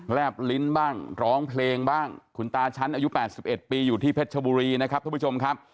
แบบลิ้นบ้างร้องเพลงบ้างคุณตาชั้นอายุ๘๑ปีอยู่ที่เพชรชบุรีนะครับทุกผู้ชมครับ